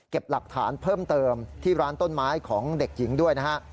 หลักฐานเพิ่มเติมที่ร้านต้นไม้ของเด็กหญิงด้วยนะฮะ